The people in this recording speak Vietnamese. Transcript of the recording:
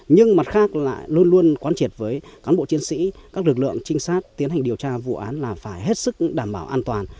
nhưng mặt khác lại luôn luôn quán triệt với cán bộ chiến sĩ các lực lượng trinh sát tiến hành điều tra vụ án là phải hết sức đảm bảo an toàn